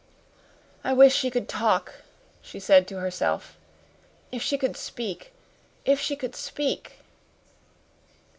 "I wish she could talk," she said to herself. "If she could speak if she could speak!"